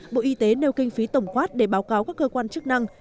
bộ y tế nêu kinh phí tổng quát để báo cáo các cơ quan chức năng